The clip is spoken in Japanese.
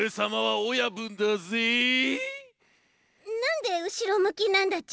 なんでうしろむきなんだち？